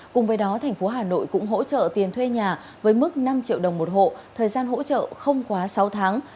cùng với đó thành phố hà nội cũng hỗ trợ tiền thuê nhà với mức năm triệu đồng một hộ thời gian hỗ trợ không quá sáu tháng